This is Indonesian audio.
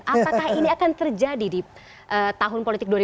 apakah ini akan terjadi di tahun politik dua ribu dua puluh